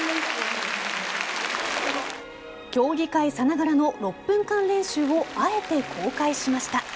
競技会さながらの６分間練習をあえて公開しました。